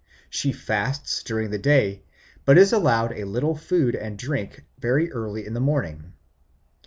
She fasts during the day, but is allowed a little food and drink very early in the morning.